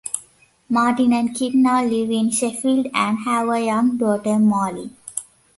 Martin and Kit now live in Sheffield and have a young daughter, Molly.